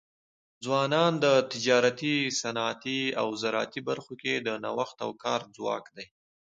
ځوانان د تجارتي، صنعتي او زراعتي برخو کي د نوښت او کار ځواک دی.